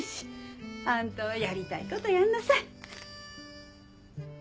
あんたはやりたいことやんなさい。